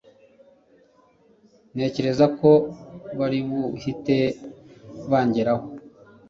ntekereza ko baribuhite bangeraho